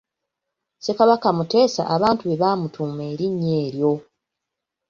Ssekabaka Muteesa abantu be baamutuuma erinnya eryo.